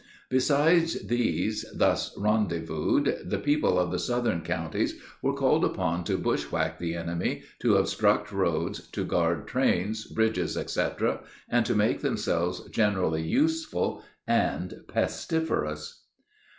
Besides these thus rendezvoused, the people of the southern counties were called upon to bushwhack the enemy, to obstruct roads, to guard trains, bridges, etc., and to make themselves generally useful and pestiferous.